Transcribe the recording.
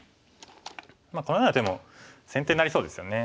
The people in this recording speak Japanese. このような手も先手になりそうですよね。